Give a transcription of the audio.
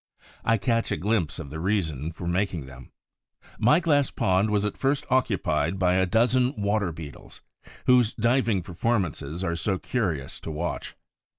I catch a glimpse of the reason for making them. My glass pond was at first occupied by a dozen Water beetles, whose diving performances are so curious to watch.